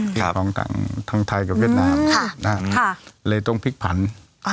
ของทั้งไทยกับเวียดนามเลยต้องพิกพันธุ์